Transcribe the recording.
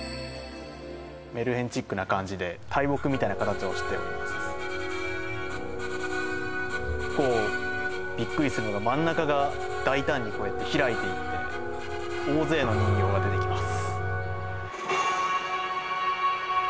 メルヘンチックな感じで大木みたいな形をしていますビックリするのが真ん中が大胆にこうやって開いていって大勢の人形が出てきます